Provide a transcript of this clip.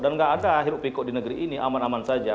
dan nggak ada hirup pikuk di negeri ini aman aman saja